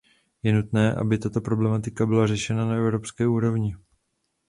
Je nutné, aby tato problematika byla řešena na evropské úrovni.